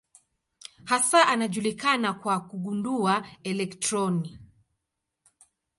Hasa anajulikana kwa kugundua elektroni.